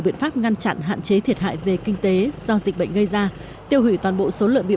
biện pháp ngăn chặn hạn chế thiệt hại về kinh tế do dịch bệnh gây ra tiêu hủy toàn bộ số lợn bị